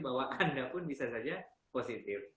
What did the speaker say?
bahwa anda pun bisa saja positif